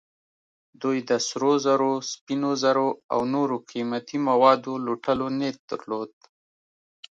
دوی د سرو زرو، سپینو زرو او نورو قیمتي موادو لوټلو نیت درلود.